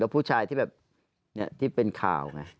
ผู้ชายที่แบบที่เป็นข่าวไง